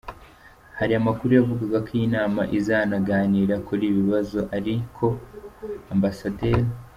Hari amakuru yavugaga ko iyi nama izanaganira kuri ibi bibazo ariko Amb.